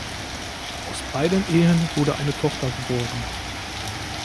Aus beiden Ehen wurde eine Tochter geboren.